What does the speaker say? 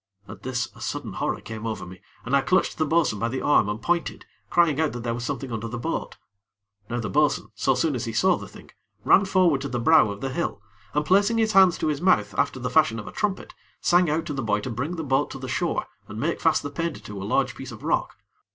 At this a sudden horror came over me, and I clutched the bo'sun by the arm, and pointed, crying out that there was something under the boat. Now the bo'sun, so soon as he saw the thing, ran forward to the brow of the hill and, placing his hands to his mouth after the fashion of a trumpet, sang out to the boy to bring the boat to the shore and make fast the painter to a large piece of rock.